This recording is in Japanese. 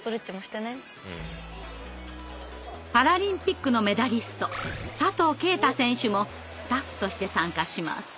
パラリンピックのメダリスト佐藤圭太選手もスタッフとして参加します。